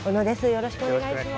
よろしくお願いします。